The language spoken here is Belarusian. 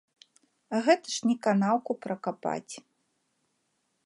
Гэта ж не канаўку пракапаць.